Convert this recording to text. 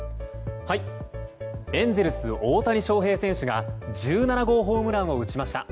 エンゼルス大谷翔平選手が１７号ホームランを打ちました。